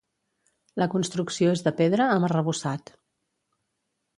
La construcció és de pedra, amb arrebossat.